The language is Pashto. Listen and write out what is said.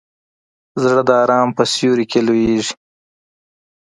زړه د ارام په سیوري کې لویېږي.